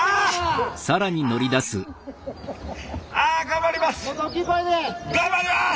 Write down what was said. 頑張ります！